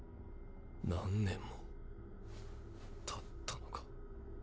何年も経ったのか？